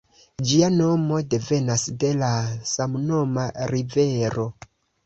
Ĝia nomo devenas de la samnoma rivero.